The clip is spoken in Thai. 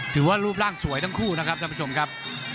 ถือว่ารูปร่างสวยทั้งคู่นะครับท่านผู้ชมครับ